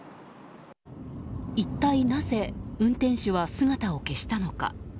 一体なぜ運転手は姿を消したのか。